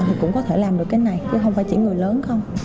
thì cũng có thể làm được cái này chứ không phải chỉ người lớn không